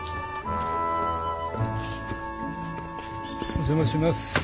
お邪魔します。